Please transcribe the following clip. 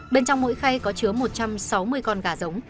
bên trong mỗi khay có chứa một trăm sáu mươi con gà giống